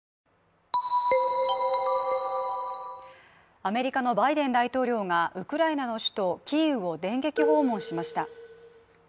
アメリカのバイデン大統領がウクライナの首都キーウを電撃訪問しました。